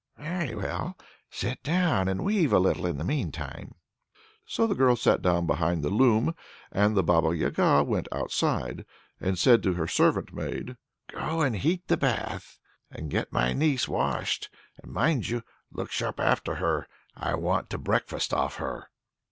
"Very well; sit down and weave a little in the meantime." So the girl sat down behind the loom, and the Baba Yaga went outside, and said to her servant maid: "Go and heat the bath, and get my niece washed; and mind you look sharp after her. I want to breakfast off her."